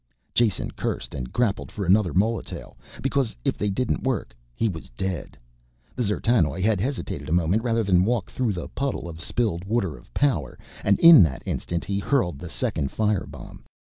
Jason cursed and grappled for another molotail, because if they didn't work he was dead. The D'zertanoj had hesitated a moment rather than walk through the puddle of spilled water of power and in that instant he hurled the second fire bomb.